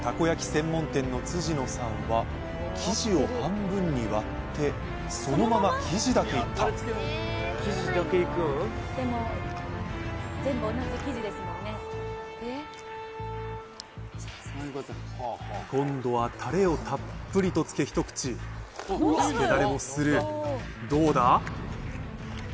専門店の辻野さんは生地を半分に割ってそのまま生地だけいった今度はタレをたっぷりとつけ一口つけダレもすするどうだ？